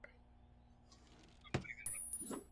هره ورځ نوې زده کړې ستا شخصیت او مهارتونه ځواکمنوي.